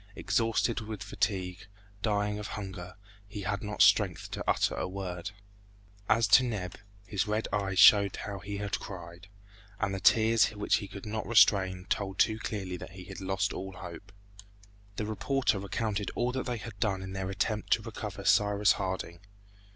Exhausted with fatigue, dying of hunger, he had not strength to utter a word. As to Neb, his red eyes showed how he had cried, and the tears which he could not restrain told too clearly that he had lost all hope. The reporter recounted all that they had done in their attempt to recover Cyrus Harding.